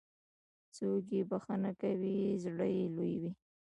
څوک چې بښنه کوي، زړه یې لوی وي.